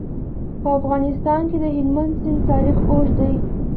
په افغانستان کې د هلمند سیند تاریخ اوږد دی.